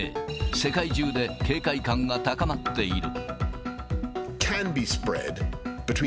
世界中で警戒感が高まっている。